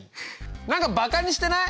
何かバカにしてない？